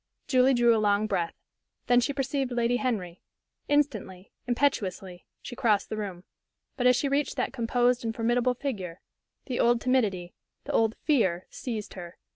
Julie drew a long breath. Then she perceived Lady Henry. Instantly, impetuously, she crossed the room. But as she reached that composed and formidable figure, the old timidity, the old fear, seized her.